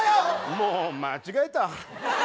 もう間違えた。